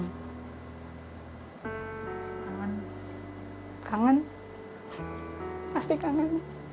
kangen kangen pasti kangen